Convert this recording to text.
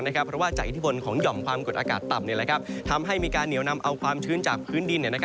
เพราะว่าจากอิทธิพลของหย่อมความกดอากาศต่ำทำให้มีการเหนียวนำเอาความชื้นจากพื้นดิน